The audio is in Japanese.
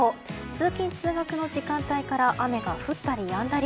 通勤・通学の時間帯から雨が降ったりやんだり。